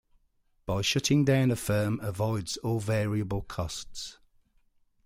By shutting down a firm avoids all variable costs.